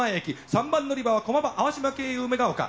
３番乗り場は駒場淡島経由梅ヶ丘。